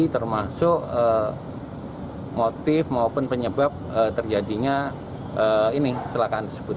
termasuk motif maupun penyebab terjadinya ini kesalahan tersebut